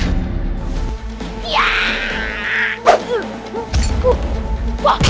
udah sempre tembakan mahal